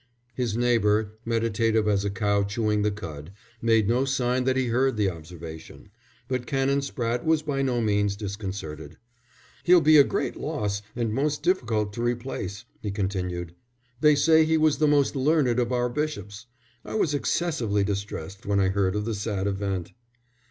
His neighbour, meditative as a cow chewing the cud, made no sign that he heard the observation; but Canon Spratte was by no means disconcerted. "He'll be a great loss and most difficult to replace," he continued. "They say he was the most learned of our bishops. I was excessively distressed when I heard of the sad event."